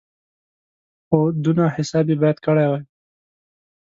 خو دونه حساب یې باید کړی وای.